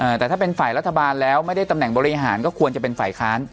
แต่ถ้าเป็นฝ่ายรัฐบาลแล้วไม่ได้ตำแหน่งบริหารก็ควรจะเป็นฝ่ายค้าน